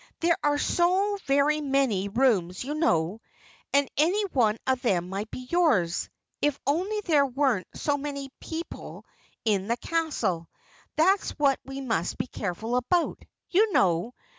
There are so very many rooms you know and any one of them might be yours, if only there weren't so many other people in the castle. That's what we must be careful about, you know.